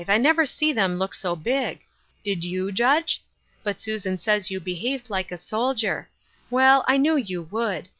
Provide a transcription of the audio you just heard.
I never see them look so big ; did you, Judge ? But Susan says you behaved like a soldier. Well, I knew you would.